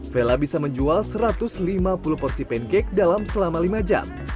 vela bisa menjual satu ratus lima puluh porsi pancake dalam selama lima jam